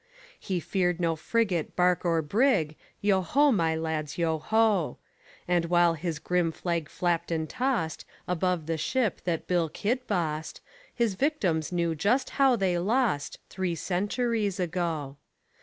He feared no frigate, bark or brig, Yo ho, my lads, yo ho! And while his grim flag flapped and tossed Above the ship that Bill Kidd bossed, His victims knew just how they lost, Three centuries ago.